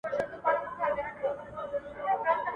عُمر ټول انتظار وخوړ له ځوانیه تر پیریه !.